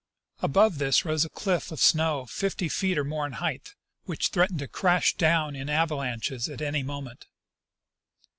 Above this rose a cliff of snow fifty feet or more in height, which threatened to crash down in ava lanches at any moment.